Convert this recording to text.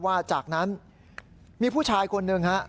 จากนั้นมีผู้ชายคนหนึ่งฮะ